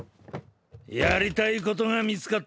やりたいことが見つかったんだ。